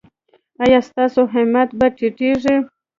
ایا ستاسو همت به ټیټیږي؟